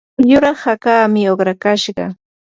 yuraq hakaami uqrakashqa.